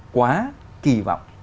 quá kỳ vọng